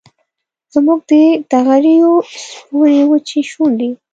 زموږ د نغریو سپورې وچې شونډي